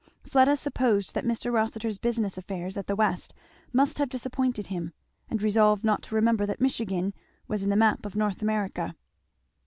Fleda supposed that Mr. Rossitur's business affairs at the West must have disappointed him; and resolved not to remember that Michigan was in the map of North America.